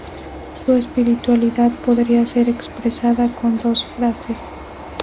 Su espiritualidad podría ser expresada con dos frases.